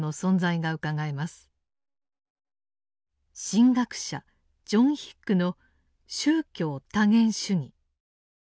神学者ジョン・ヒックの「宗教多元主義」。